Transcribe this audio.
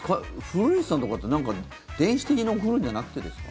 古市さんって電子的に送るんじゃなくてですか？